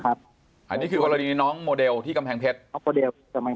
ค่ะอันนี้คือวันนี้น้องโมเดลที่กำแหงเพชรพอแดลแกมัน